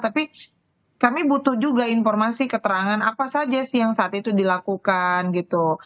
tapi kami butuh juga informasi keterangan apa saja sih yang saat itu dilakukan gitu